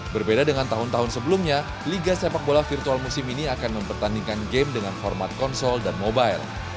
berbeda dengan tahun tahun sebelumnya liga sepak bola virtual musim ini akan mempertandingkan game dengan format konsol dan mobile